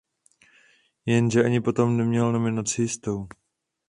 Jenže ani potom neměl nominaci jistou.